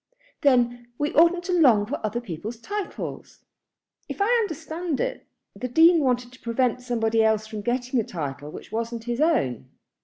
"Then we oughtn't to long for other people's titles." "If I understand it, the Dean wanted to prevent somebody else from getting a title which wasn't his own.